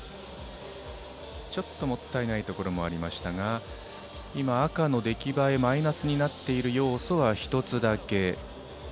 ちょっともったいないところもありましたが今、赤の出来栄えマイナスになっている要素は１つだけ。